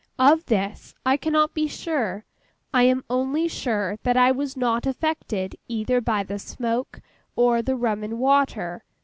Of this, I cannot be sure. I am only sure that I was not affected, either by the smoke, or the rum and water.